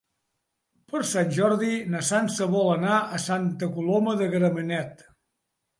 Per Sant Jordi na Sança vol anar a Santa Coloma de Gramenet.